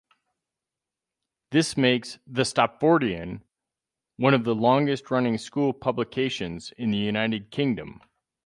This makes "The Stopfordian" one of the longest-running school publications in the United Kingdom.